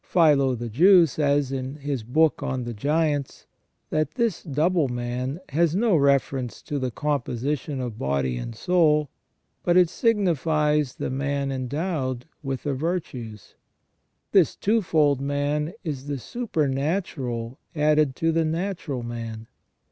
Philo the Jew says, in his Book on the Giants, that *' this double man has no reference to the composition of body and soul, but it signifies the man endowed with the virtues ". This twofold man is the super natural added to the natural man.